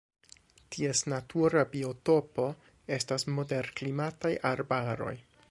Ties natura biotopo estas moderklimataj arbaroj.